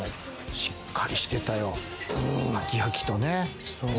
しっかりしてたよ、ハキハキとね。